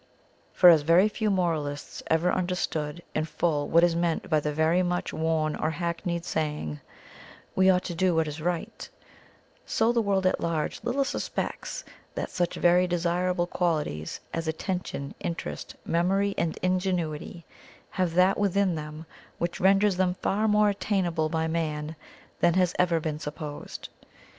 For, as very few moralists ever understood in full what is meant by the very much worn or hackneyed saying, "we ought to do what is right," so the world at large little suspects that such very desirable qualities as Attention, Interest, Memory and Ingenuity, have that within them which renders them far more attainable by man than has ever been supposed.